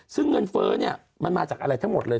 ซึ่งเงินเฟ้อเนี่ยมันมาจากอะไรทั้งหมดเลย